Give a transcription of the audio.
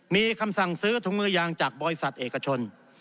มีคำสั่งซื้อถุงมือยางจากบริษัทเอกชน